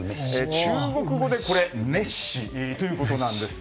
中国語で、これメッシということなんです。